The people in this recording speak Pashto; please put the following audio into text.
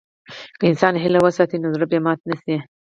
که انسان هیله وساتي، نو زړه به نه ماتيږي.